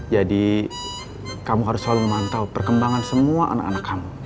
jadi kamu harus selalu memantau perkembangan semua anak anak kamu